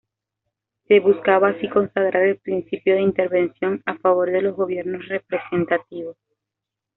Se buscaba así consagrar el principio de intervención a favor de los gobiernos representativos.